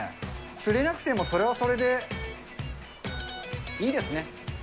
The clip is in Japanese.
釣れなくても、それはそれでいいですね。